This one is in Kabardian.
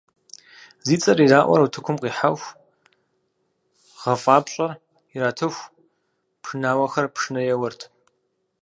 Зи цӀэ ираӀуэр утыкум къихьэху, гъэфӀапщӀэр иратыху, пшынауэхэр пшынэ еуэрт.